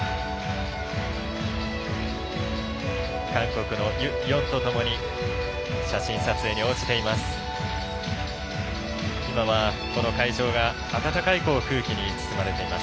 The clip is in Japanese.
韓国のユ・ヨンとともに写真撮影に応じています。